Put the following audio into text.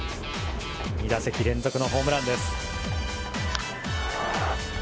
２打席連続のホームランです。